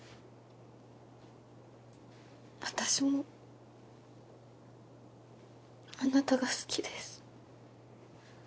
私もあなたが好きです。